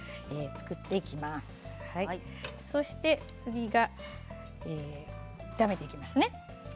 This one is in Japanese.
そして炒めていきますね。